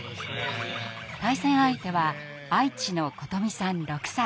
対戦相手は愛知の琴美さん６歳。